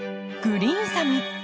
グリーンサム。